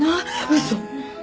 嘘。